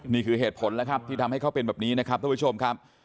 นี่คือเหตุผลแล้วครับที่ทำให้เขาเป็นแบบนี้นะครับท่านผู้ชมครับ